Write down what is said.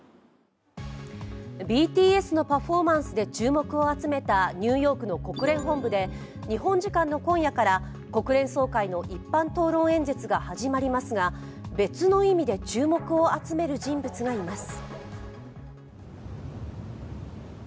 ＢＴＳのパフォーマンスで注目を集めたニューヨークの国連本部で日本時間の今夜から国連総会の一般討論演説が始まりますが別の意味で注目を集める人物がいます。